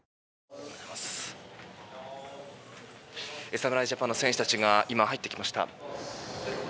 侍ジャパンの選手たちが今、入ってきました。